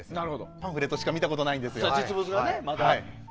パンフレットしか見たことないんですが。